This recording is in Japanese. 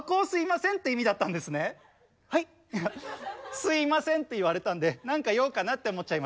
「すいません」って言われたんで何か用かなって思っちゃいました。